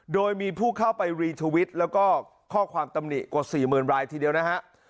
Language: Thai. โดยมีผู้เข้าไปรีทวิตแล้วก็ข้อความตำหนิกว่า๔๐๐๐รายทีเดียวนะฮะ